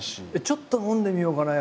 ちょっと飲んでみようかな？